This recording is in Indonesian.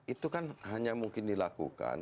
itu kan hanya mungkin dilakukan